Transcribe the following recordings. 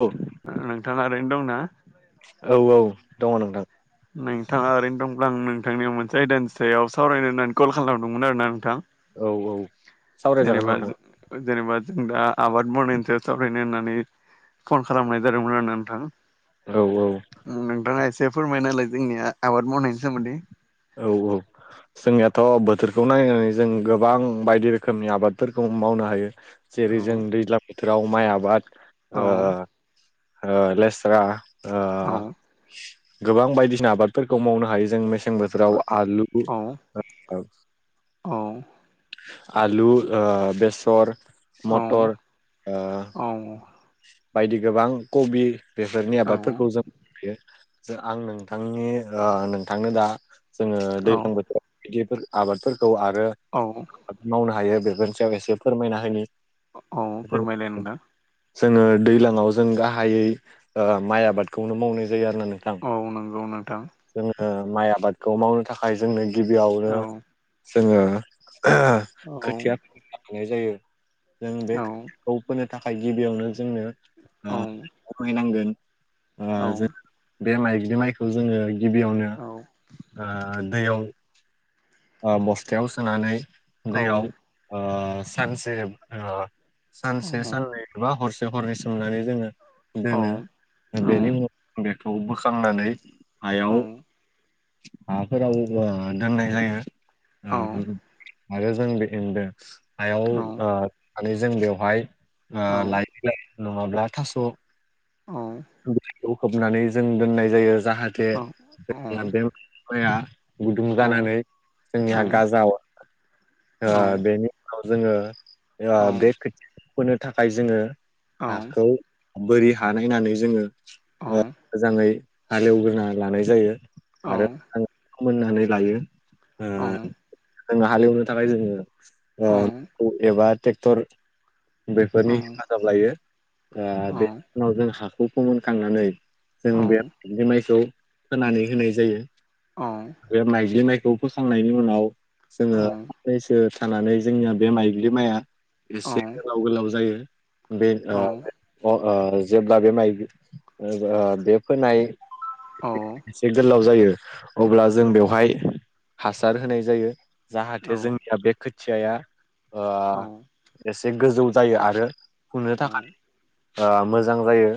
औ नोंथाङा ओरैनो दंना औ औ दङ नोंथां नोंथाङा ओरैनो दंब्ला आं नोंथांनि मोनसे आयदानि सायाव सावरायनो होननानै कल खालामदोंमोन आरोना नोंथां औ औ सावरायजागोन जेनेबा नोंथां जों - जेनेबा जों दा आबाद मावनायनि सायाव सावरायनो होननानै फन खालामनाय जादोंमोन आरो ना नोंथां औ औ नोंथाङा एसे फोरमाय नालाय जोंनिया आबाद मावनायनि सोमोन्दै औ औ जोंनियाथ' बोथोरखौ नायनानै जों गोबां बायदि रोखोमनि आबादफोरखौ मावनो हायो। जेरै जों औ दैज्लां बोथोराव माइ आबाद औ लेस्रा औ गोबां बायदिसिना आबादफोरखौ मावनो हायो जों मेसें बो थोराव आलु औ ओम औ आलु ओ बेसर औ मटर ओ औ बायदि गोबां कबि बेसरनि औ आबादफोरखौ जों बेयो जों आं नोंथांनि ओ नोंथांनो दा जोङो दैज्लां बोथोर बेफोर आबादफोरखौ आरो औ। मावनो हायो बेफोरनि सायाव एसे फोरमायना होनि औ जों फोरमायलाय नोंथां जोङो दैज्लाङाव जों गाहायै ओ माइ आबादखौनो मावनाय जायो आरो ना नों औ नंगौ नोंथां। जोङो माइ आबादखौ मावनो थाखाय जोंनो गिबियावनो औ जोङो। औ खोथिया फुनाय जायो जों बे औ खोथियाखौ फोनो थाखाय गिबियावनो जोंनो ओ औ खमायनांगोन ओ औ जों बे माइज्लि माइखौ जोङो गिबियावनो दैयाव ओ बस्थायाव सोनानै औ औ दैयाव ओ सानसे ओ सानसे साननै बा हरसे हरनै सोमनानै जोङो दोनो बेनि उनाव बेखौ बोखांनानै हायाव हाफोराव ओ दोननाय जायो। आरो जों बेदों हायाव ओ आरो जों बेवहाय ओ लाय बिलाय नङाब्ला थास' खौ खोबनानै जों दोननाय जायो जाहाथे ना बेफाया गुदुं जानानै जोंनिहा गाजाव बेनि उनाव जोङो बे खोथिया होनो थाखाय जोङो हाखौ बोरि हा नायनानै जोङो मोजाङै हालेवग्रोना लानाय जायो आरो मोजाङै थोमोननानै लायो। ओ जों हालेवनो थाखाय जोङो एबा ट्रेक्टर बेफोरनि हेफाजाब लायो बे उनाव जों हाखौ फोमोनखांनानै जों बेलि माइखौ फोनानै होनाय जायो। औ बे माइग्लिनायखौ फोखांनायनि उनाव जोङो फैसो थानानै जोंनिया बे माइब्लि माया एसे गोलाव गोलाव जायो बे अ ओ जेब्ला बे माइ बे फोनाय औ एसेक गोलाव जायो अब्ला जों बेवहाय हासार होनाय जायो औ जाहाथे जोंनिया बे खोथियाया एसे गोजौ जायो आरो फुंनो औ थाखाय मोजां जायो।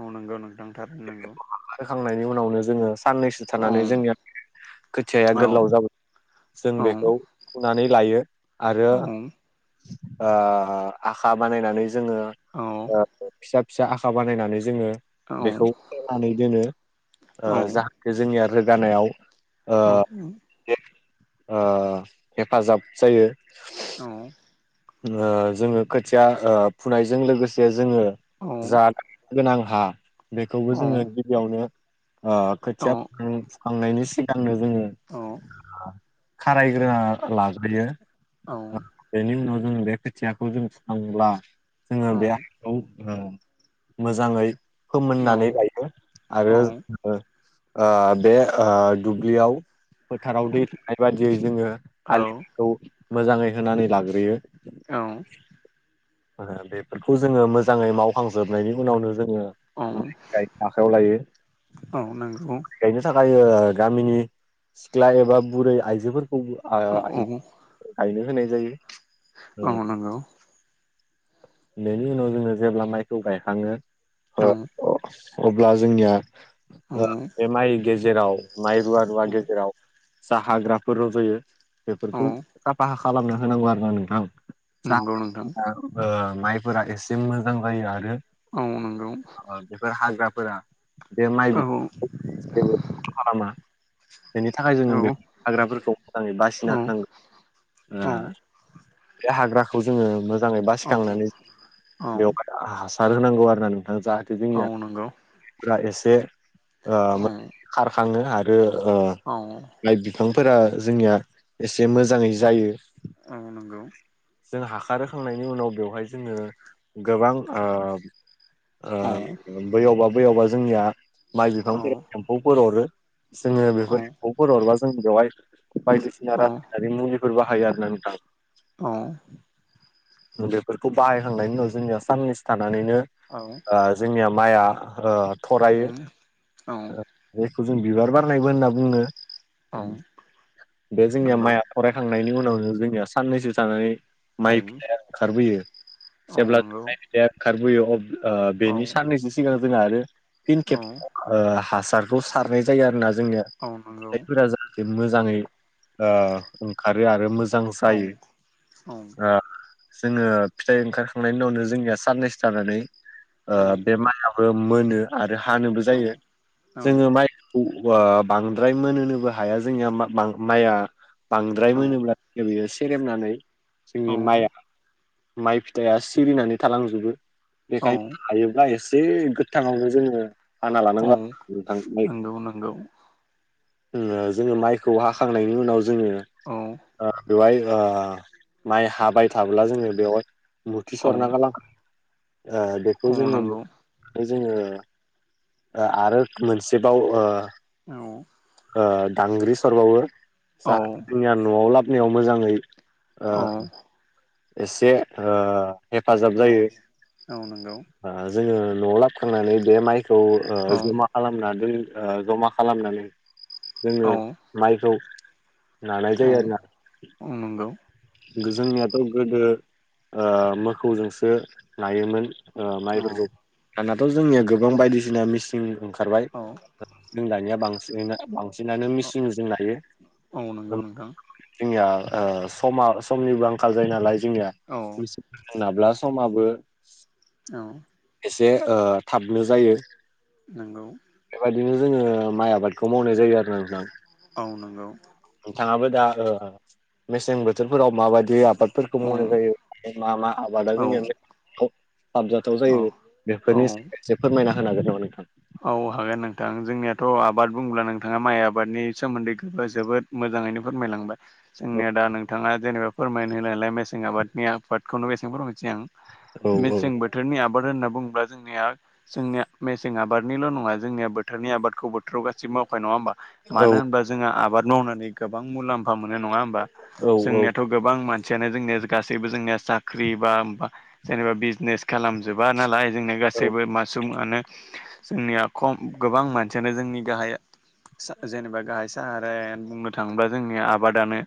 औ नोंगौ नोंथांथार नांगौ होोखांनायनि उनावनो जोङो साननैसो औ थानानै जोंनिया खोथियाया औ गोलाव जाबाय जों औ बेखौ खुनानै लायो आरो औ आखा बानायनानै जोङो औ फिसा फिसा आखा बानायनानै जोङो औ बेखौ फनानै दोनो जा बे जोंनिया रोगानायाव ओ हेब हेफाजाब जायो। औ जोङो खोथिया फुनायजों लोगोसे जोङो जा गोनां हा बेखौबो जोङो गिबियावनो खोथिया फख फुखांनायनि सिगांनो जोङो औ खारायग्रोना लाजायो। औ बेनि उनाव जों बे खोथियाखौ जों थांब्ला औ जोङो बे मोजाङै फोमोननानै लायो आरो। ओ ओ बे दुब्लियाव फोथाराव दै थानाय बायदियै जोङो औ आलिखौ मोजाङै होनानै लाग्रोयो। औ बेफोरखौ जोङो मोजाङै मावखांजोबनायनि उनावनो जोङो ओं माइखौ गायनो आखायाव लायो औ नंगौ गायनो थाखाय गामिनि सिख्ला एबा बुरै आइजोफोरखौबो औ औ गायनो होनाय जायो। ओ औ नंगौ बेनि उनाव जोङो जेब्ला माइखौ गायखाङो अब्ला जोंनिया बे माइ गेजेराव माइ रुवा रुवा गेजेराव जा हाग्राफोर रज'यो औ बेफोरखौ सफाहा खालामना होनांगौ आरो ना नोंथां। ज नंगौ नोंथां माइफोरा एसे मोजां जायो आरो औ नंगौ औ बेफोर हाग्राफोरा बे औ माइ बिफां जेबो खालामा बेनि थाखाय औ जोङो बे हाग्राफोरखौ मोजाङै बासिना होनांगौ औ ओ बे हाग्राखौ जोङो मोजाङै बा औ सिखांनानै औ बेव हासार होनांगौ आरो ना नोंथाङा जाहाथे औ जोंनिया नंगौ दा एसे औ खारखाङो आरो औ लाइ बिफांफोरा जोंनिया एसे मोजाङै जायो औ नंगौ जों हाखार होखांनायनि उनाव बेवहाय जोङो गोबां औ बैयावबा बैयावबा जोंनिया माइ औ बिफांफोरा एम्फौफोर अरो जोङो बेफोरफोरखौ हर हरबा जों बेवहाय बायदिसिना रासायनारि मुलिफोर बाहायो आरो ना नोंथां अ बेफोरखौ बाहायखांनायनि उनाव जोंनिया साननैसो थानानैनो औ जोंनिया माइआ थरायो जायखौ जों बिबार बारनायबो होनना बुंनो बे जोंनिया माया थरायखांनायनि उनावनो जोंनिया साननैसो थानानै माइ बिलाया ओंखारबोयो जेब्ला माइ बिलाया ओंखारबोयो अब्ला बेनि साननैसो सिगां जोंहा आरो फिन खेब हासारखौ सारनाय जायो आरो ना जोंनिया जायफोरा बे मोजाङै ओंखारो आरो मोजां औ जायो औ जोङो फिथाइ ओंखारखांनायनि उनावनो जोंनिया साननैसो जानानै बे माइआबो मोनो आरो हानोबो औ जायो औ औ जोङो माइ बांद्राय मोनहोनोबो हाया जोंनिया माइआ बांद्राय औ मोनोब्ला जो बियो सेरेमनानै औ जोंनि माइआ माइ फिथाइया सिरिनानै थालांजोबो औ बेखायनो हायोब्ला एसे गो ङावनो जोङो हाना लानांगौ औ नोंथां नंगौ नंगौ जोङो माइखौ हाखांनायनि उनाव जोङो औ बेवहाय माइ हाबाय थाब्ला जोङो बेवहाय मुरथि औ सरना गालां ओ औ बेखौ जोङो नंगौ जोङो आरो मोनसेबाव औ ओ दांग्रि सरबावो औ जोंनिया न'आव लाबनायाव मोजाङै ओ औ एसे ओ हेफाजाब औ जायो। नंगौ ओ जोङो न'आव लाबखांनानै बे माइखौ ओ औ जमा खालामना ओ ज जमा खालामनानै औ जोङो माइखौ नानाय जायो आरोना औ नंगौ जोंनियाथ' गोदो ओ मोखौजोंसो नायोमोन। ओ माइफोरखौ औ दानाथ' जोंनिया गोबां बायदिसिना मिसिं ओंखारबाय। औ जों दानिया बांसिन बांसिनानो मेसिन जों नायो औ नंगौ नोंथां [unintelligible] जोंनिया ओ समा समनिबो आंखाल जायो नालाय जोंनिया औ मोसौजों नाब्ला समाबो औ एसे ओ थाबनो जायो। नंगौ बेबायदिनो जोङो माइ आबादखौ मावनाय जायो आरो ना नोंथां। औ नंगौ नोंथाङाबो दा ओ मेसें बोथोरफोराव माबायदि आबाद फोरखौ मावनाय औ जायो मा मा आबादा जोङो साबजाथाव जायो औ बेफोरनि औ औ एसे फोरमायना होनो हागोन नामा नोंथां? औ हागोन नोंथां जोंनियाथ' आबाद बुङोब्ला नोंथाङा माइ आबादनि सोमोन्दै जोबोद मोजाङैनो फोरमायलांबाय जोंनिया दा नोंथाङा जेनेबा फोरमायनो होनाय नालाय मेसें आबादनि आबादखौनो एसे फोरमायनि आं औ औ मेसें बोथोरनि आबाद होनना बुङोब्ला जोंनिया जोंनिया मेसें आबाद निल' नङा जोंनिया बोथोरनि आबादखौ बोथोराव गासिबो मावखानाय नङा होमबा औ मानो होनबा जोंहा आबाद मावनानै गोबां मुलाम्फा मोनो नङा होमबा औ जोंनियाथ' गोबां मानसियानो जोंनिया गासैबो जोंनिया साख्रि बा जेनेबा बिजनेस खालामजोबा नालाय जोंनि गासैबो मास आनो जोंनिया खम गोबां मानसियानो जोंनि गाहाइ सा सा जेनेबा गाहाय साहाराय बुंनो थाङोब्ला जोंनि आबादानो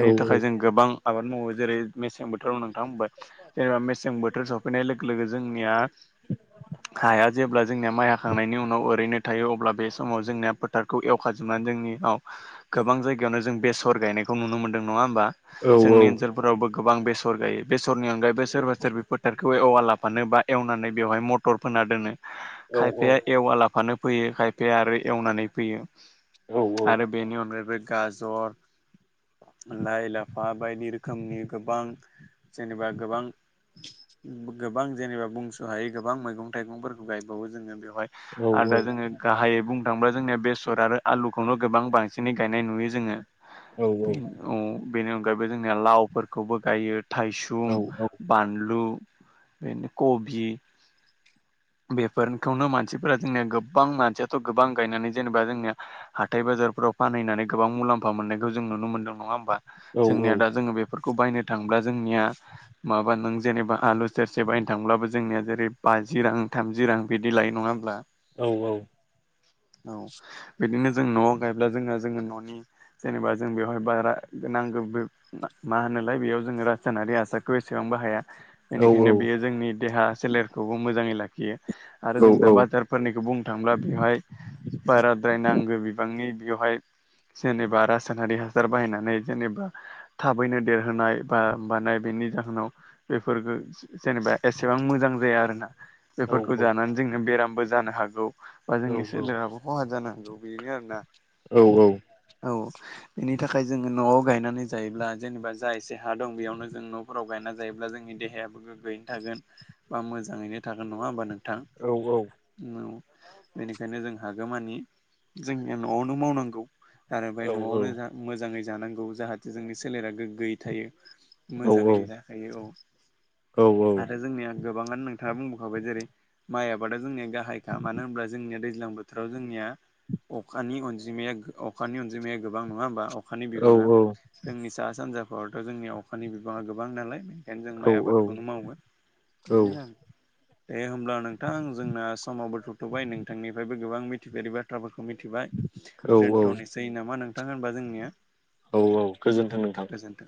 औ थाखाय जों गोबां आबाद मावो जेरै मेसें बोथोराव नोंथां बुंबाय जेनेबा मेसें बोथोर समाव फैनाय लोगो लोगो जोंनिया हाया जेब्ला जोंनिया माइआ थांनायनि उनाव ओरैनो थायो अब्ला बे समाव जोंनिया थारखौ एवखाजोबनानै जोंनियाव गोबां जायगायावनो जों बेसर गायनायखौ नुनो मोन्दों नङा होमबा? औ जोंनि ओनसोलफोरावबो गोबां बेसर गायो बेसरनि अनगायैबो सोरबा सोरबिफोर फोथार खौ एवा लाफानो बा एवनानै बेवहाय मटर फोना दोनो। औ औ खायफाया एवा लाफानो फैयो खायफाया आरो एवनानै फैयो आरो बेनि अनगायैबो गाजर, लाइ लाफा बायदि रोखोमनि गोबां जेनेबा गोबां गोबां जेनेबा बुंस' हाय गोबां मैगं थाइगंफोरखौ गायबावो जोङो बेयाव आरो दा जोङो गाहायै बुंनो थांबाय जोंनिया बेसर आरो आलुखौनो गोबां बांसिनै गायनाय नुयो जोङो। बे औ बेनि अनगायैबो जोंनिया लावफोरखौबो गायो थायसुम, बानलु बेनो कबि बेफोरखौनो मान मानसिफोरा जोंनिया गोबां मानसियाथ' गोबां गायनानै जेनेबा जोंनिया हाथाय बाजारफोराव फानहैनानै गोबां मुलाम्फा मोननायखौ जों नुनो मोनदों नङा होमबा जोंनिया औ दा जोङो बे फोरखौ बायनो थांब्ला जोंनिया माबा नों जेनेबा आलु सेरसे बायनो थांब्लाबो जोंनिया जेरै बाजि रां थामजि रां बिदि लायो नङा बा औ औ। औ बिदिनो जों न'आव गायब्ला जों जोङो न'नि जेनेबा जों बेवहाय बाजारा नांगौ। मा होनोलाय बेयाव जोङो राजथान्नारि हासारखौ एसेबां बाहाया बेनिखायनो बेयो जोंनि देहा सोलेरखौबो मोजाङै लाखियो आरो जों दा बा फोरनिखौ बुंनो थांला बेवहाय बाराद्राय नांगौ बिबांनि बेवहाय जेनेबा रासायनारि हासार बाहायनानै जेनेबा थाबैनो देरहोनाय बा मानाय बेनि जाहोनाव बेफोरफोरखौ जेनेबा एसेबां मोजां जाया आरो ना। बेफोरखौ जानानै जोंङनो बेरामबो जानो हागौ। बा जोंनि सोलेराबो खहा जानांगौ बेनो आरोना औ। बेनि थाखाय जोङो न'आव गायनानै जायोब्ला जेनेबा जा एसे हा दं बेयावनो जों न' फोराव गायना जायोब्ला जोंनि देहायाबो गोग्गोयैनो थागोन बा मोजाङैनो थागोन नङा होमबा नोंथां? औ औ। बेनिखायनो जों हागो मानि जोंनिया न'आवनो मावनांगौ। आरो ओमफ्राय न'आवनो मोजाङै जानांगौ जाहाथे जोंनि सोलेरा गोग्गोयै थायो। मोजाङैनो दाखायो औ आरो जोंनिया गोबाङानो नोंथाङा बुंबोखाबाय जेरै माइ आबादा जोंनि ग बाहायखा मानो होनब्ला जोंनिया दैज्लां बोथोराव जोंनिया अखानि अनजिमाया अखानि अनजिमाया गोबां नङा होमबा? अखानि बिबाङा जोंनि साहा सानजाफोरावथ' जोंनि अखानि बिबाङा गोबां नालाय। बेखायनो जों माइ आबादखौनो मावगोन बिदिनो आरो दे होमब्ला नोंथां जोंना। समावबो थथ'बाय नोंथांनिफ्रायबो गोबां मिथिफारि बाथ्राफोरखौ मिथिबाय औ दोनथ'नोसै नामा नोंथां होनबा जोंनिया। औ औ गोजोन्थों नोंथां। गोजोन्थों।